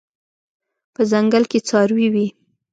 په ځنګل کې څاروي وي